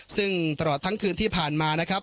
ซึ่งตลอดทั้งคืนที่ผ่านมานะครับ